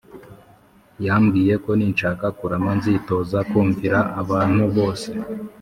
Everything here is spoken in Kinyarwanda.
yambwiyeko ninshaka kurama nzitoza kumvira abantu bose